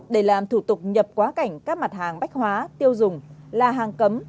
để làm thủ tục nhập quá cảnh các mặt hàng bách hóa tiêu dùng là hàng cấm